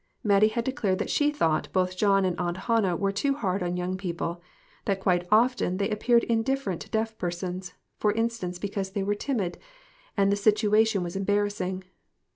Mattie had declared that she thought both John and Aunt Hannah were too hard on young people ; that quite often they appeared indif ferent to deaf persons, for instance, because they were timid, and the situation was embarrassing.